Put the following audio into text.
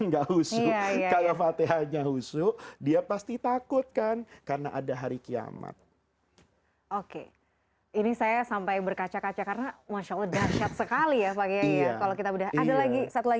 enggak usuh karena fatihahnya usuh dia pasti takut kan karena ada hari kiamat oke ini saya sampai berkaca kaca karena masya allah dahsyat sekali ya pak gaya kalau kita berdaha ada lagi satu lagi hal yang ingin saya katakan adalah